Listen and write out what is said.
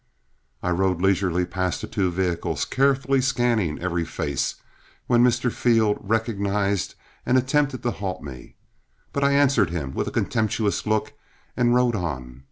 I rode leisurely past the two vehicles, carefully scanning every face, when Mr. Field recognized and attempted to halt me, but I answered him with a contemptuous look and rode on.